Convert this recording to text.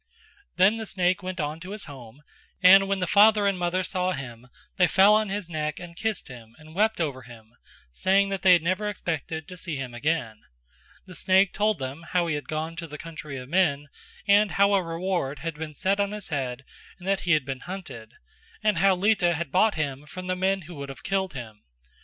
Then the snake went on to his home and when the father and mother saw him they fell on his neck and kissed him and wept over him saying that they had never expected to see him again; the snake told them how he had gone to the country of men and how a reward had been set on his head and he had been hunted, and how Lita had bought him from the men who would have killed him.